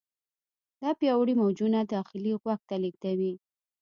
دا پیاوړي موجونه داخلي غوږ ته لیږدوي.